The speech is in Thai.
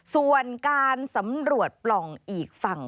ส่วนการสำรวจปล่องอีกฝั่ง